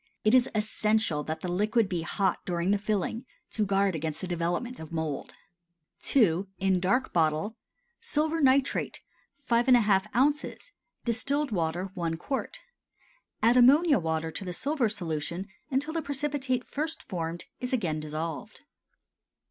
(It is essential that the liquid be hot during the filling, to guard against the development of mould.) II. (In Dark Bottle.) Silver nitrate 5½ oz. Distilled water 1 qt. Add ammonia water to the silver solution until the precipitate first formed is again dissolved.